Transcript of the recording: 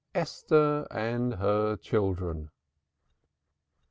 ESTHER AND HER CHILDREN.